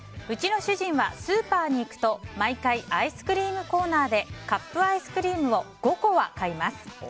うちの主人はスーパーに行くと毎回アイスクリームコーナーでカップアイスクリームを５個は買います。